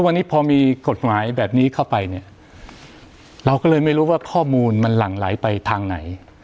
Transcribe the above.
วันนี้พอมีกฎหมายแบบนี้เข้าไปเนี่ยเราก็เลยไม่รู้ว่าข้อมูลมันหลั่งไหลไปทางไหน